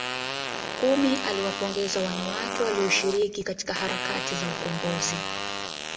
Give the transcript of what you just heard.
ummy aliwapongeza wanawake waliyoshiriki katika harakati za ukombozi